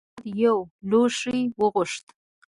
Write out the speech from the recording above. محمد یو لوښی وغوښت.